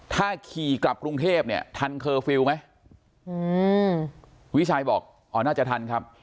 ถ้าขี่กลับกรุงเทพเนี่ยทันเคอร์ฟิลล์ไหมอืมวิชัยบอกอ๋อน่าจะทันครับ